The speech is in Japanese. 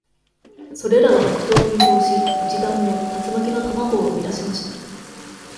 それらは北東に移動し、一団の竜巻の卵を生み出しました。